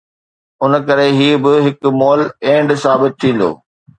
ان ڪري هي به هڪ مئل اينڊ ثابت ٿيندو.